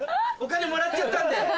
お金もらっちゃったんで。